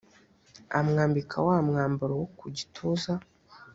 amwambika wa mwambaro wo ku gituza